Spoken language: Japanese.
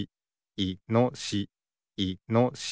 いのしし。